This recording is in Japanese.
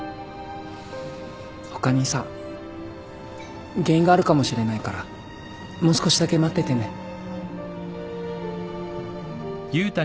他にさ原因があるかもしれないからもう少しだけ待っててね。